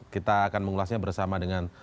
kita akan mengulasnya bersama dengan